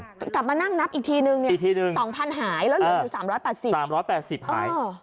เขากลับมานั่งนับอีกทีนึง๒๐๐๐ให้แล้วอยู่๓๘๐